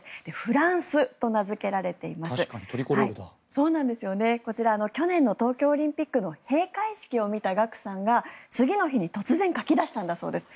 そうなんですよねこちら去年の東京オリンピックの閉会式を見たＧＡＫＵさんが次の日に突然描き出したんだそうです。